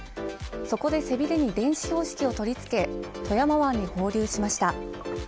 そこで背びれに電子標識を取り付け富山湾に放流しました。